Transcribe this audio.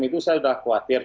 itu saya sudah khawatir